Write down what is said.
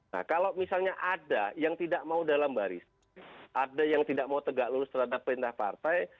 nah kalau misalnya ada yang tidak mau dalam baris ada yang tidak mau tegak lurus terhadap perintah partai